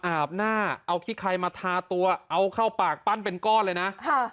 อาบหน้าเอาขี้ไครมาทาตัวเอาเข้าปากปั้นเป็นก้อนเลยนะ